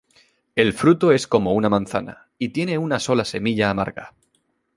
El fruto es como una manzana y tiene una sola semilla amarga.